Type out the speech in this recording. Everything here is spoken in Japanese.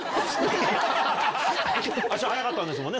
足速かったんですもんね。